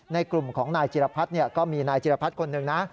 ในกลุ่มของนายจีรพรรดิก็มีนายจีรพรรดิคนหนึ่งนะ